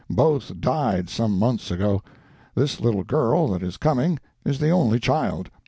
Both died some months ago. This little girl that is coming is the only child.